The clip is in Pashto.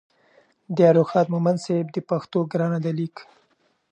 د ارواښاد مومند صیب د پښتو ګرانه ده لیک